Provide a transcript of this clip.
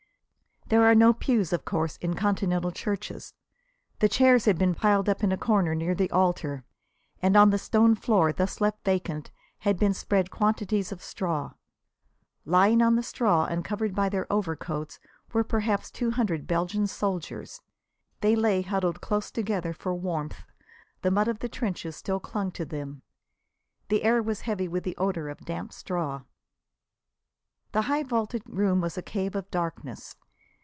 There are no pews, of course, in Continental churches. The chairs had been piled up in a corner near the altar, and on the stone floor thus left vacant had been spread quantities of straw. Lying on the straw and covered by their overcoats were perhaps two hundred Belgian soldiers. They lay huddled close together for warmth; the mud of the trenches still clung to them. The air was heavy with the odour of damp straw. The high vaulted room was a cave of darkness.